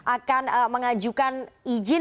akan mengajukan izin